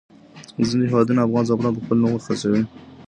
ځینې هېوادونه افغان زعفران په خپل نوم خرڅوي.